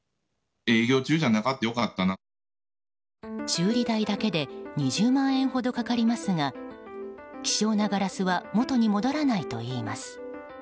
修理代だけで２０万円ほどかかりますが希少なガラスは元に戻らないといいます。